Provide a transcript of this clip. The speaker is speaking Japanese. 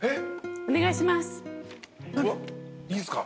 お願いします。